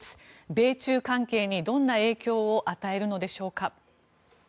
米中関係にどんな影響を与えるのでしょうか。